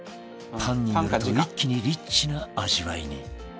パンに塗ると一気にリッチな味わいに